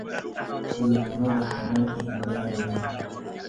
زمانه د حالاتو هنداره ده.